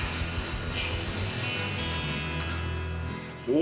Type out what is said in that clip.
お！